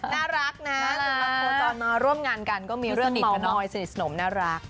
น่ารักนะตอนมาร่วมงานกันก็มีเรื่องมัวมอยสนิทสนมน่ารัก